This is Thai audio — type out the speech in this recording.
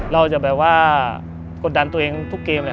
เราจะแบบว่ากดดันตัวเองทุกเกมเลย